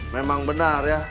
memang benar ya